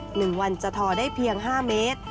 หนึ่งวันจะทอได้เพียงห้าเมตร